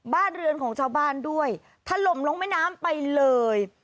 บ้านเรือนของชาวบ้านด้วยถล่มลงแม่น้ำไปเลย